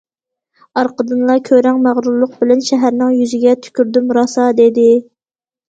ئارقىدىنلا كۆرەڭ مەغرۇرلۇق بىلەن:« شەھەرنىڭ يۈزىگە تۈكۈردۈم راسا»، دېدى.